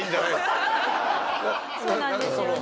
そうなんですよね。